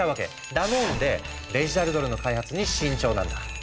だもんでデジタルドルの開発に慎重なんだ。